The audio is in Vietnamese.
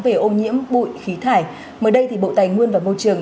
về ô nhiễm bụi khí thải mới đây thì bộ tài nguyên và môi trường